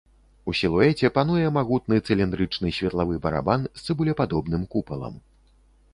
У сілуэце пануе магутны цыліндрычны светлавы барабан з цыбулепадобным купалам.